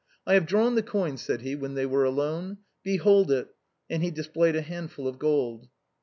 " I have drawn the coin," said he, when they were alone. " Behold it," and he displayed a handful of gold.